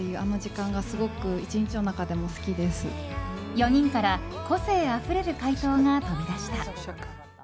４人から個性あふれる回答が飛び出した。